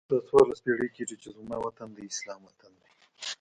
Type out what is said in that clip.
دا څوارلس پیړۍ کېږي چې زما وطن د اسلام وطن دی.